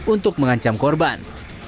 untuk mengancam korban